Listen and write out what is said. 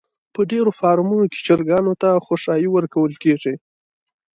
په ډېرو فارمونو کې چرگانو ته خؤشايه ورکول کېږي.